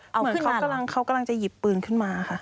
เหมือนเขากำลังจะหยิบปืนขึ้นมาค่ะ